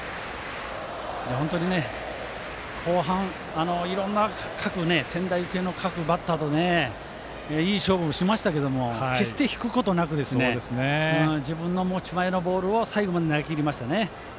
本当に後半いろんな仙台育英の各バッターといい勝負をしましたけども決して引くことなく自分の持ち前のボールを最後まで投げきりましたね。